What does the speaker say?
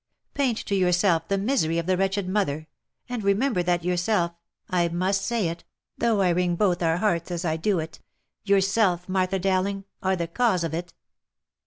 Paint to yourself the misery of the wretched mother, and re member that yourself— I must say it, though I wring both our hearts as I do it — yourself, Martha Dowling, are the cause of it."